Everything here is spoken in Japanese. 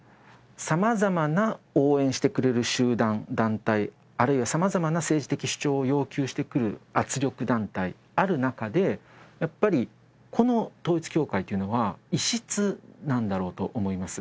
さまざまな応援してくれる集団、団体あるいはさまざまな政治的主張を要求してくる圧力団体、ある中で、やっぱりこの統一教会というのは異質なんだろうと思います。